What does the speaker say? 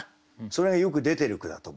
それがよく出てる句だと思ってね。